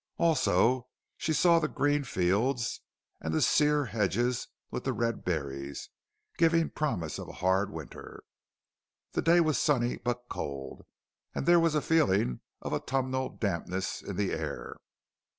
Also, she saw the green fields and the sere hedges with the red berries, giving promise of a hard winter. The day was sunny but cold, and there was a feeling of autumnal dampness in the air.